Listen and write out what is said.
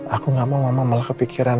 aku gak mau mama malah kepikiran